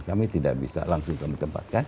kami tidak bisa langsung kami tempatkan